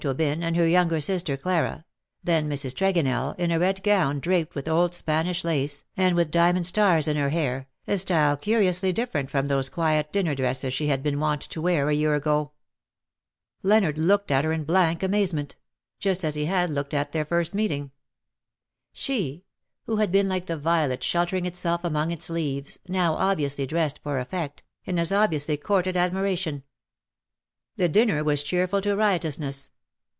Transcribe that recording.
Aubyn and her younger daughter Clara, then Mrs. Tregonell, in a red gown draped with old Spanish lace, and with diamond stars in her hair, a style curiously diff'erent from those quiet dinner dresses she had been wont to wear a year ago. Leonard looked at her in blank amazement — 117 just as he had looked at their first meeting. She, who had been like the violet sheltering itself among its leaves, now obviously dressed for effect, and as obviously courted admiration. The dinner was cheerful to riotousness.